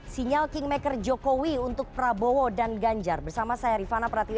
sinyal kingmaker jokowi untuk prabowo dan ganjar bersama saya rifana pratiwi